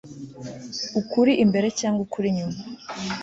ukuri imbere cg ukuri inyuma